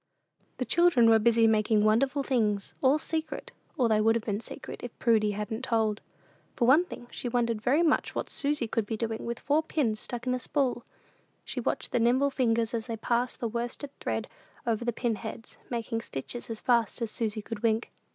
The children were busy making wonderful things "all secret;" or they would have been secret if Prudy hadn't told. For one thing, she wondered very much what Susy could be doing with four pins stuck in a spool. She watched the nimble fingers as they passed the worsted thread over the pin heads, making stitches as fast as Susy could wink.